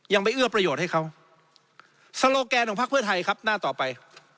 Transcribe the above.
ยังไปเอื้อประโยชน์ให้เขาสโลแกนของพักเพื่อไทยครับหน้าต่อไป